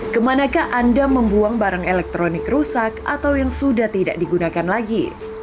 kemanakah anda membuang barang elektronik rusak atau yang sudah tidak digunakan lagi